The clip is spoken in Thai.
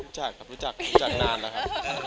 รู้จักครับรู้จักรู้จักนานแล้วครับ